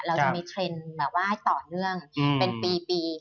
เราจะมีเทรนด์แบบว่าให้ต่อเนื่องเป็นปี